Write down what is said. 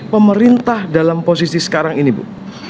pemerintah dalam posisi sekarang ini bu